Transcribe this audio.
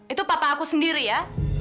itu papa aku sendiri ya